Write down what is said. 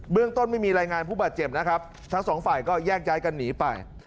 เรื่องต้นไม่มีรายงานผู้บาดเจ็บนะครับทั้งสองฝ่ายก็แยกย้ายกันหนีไป